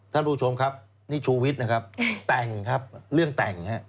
ท่านผู้ชมครับนี่ชูวิทย์นะครับแต่งครับเรื่องแต่งฮะ